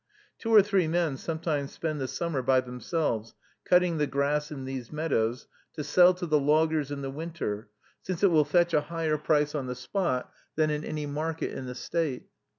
Two or three men sometimes spend the summer by themselves, cutting the grass in these meadows, to sell to the loggers in the winter, since it will fetch a higher price on the spot than in any market in the State.